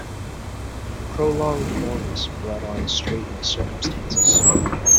Prolonged illness brought on straitened circumstances.